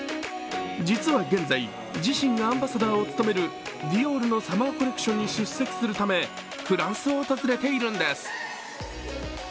実は現在、自身がアンバサダーを務めるディオールのサマーコレクションに出席するためフランスを訪れているんです。